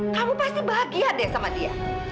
kamu pasti bahagia deh sama dia